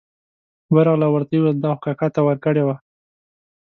ورغله او ورته یې وویل دا خو کاکا ته ورکړې وه.